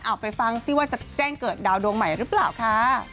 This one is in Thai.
เอาไปฟังซิว่าจะแจ้งเกิดดาวดวงใหม่หรือเปล่าค่ะ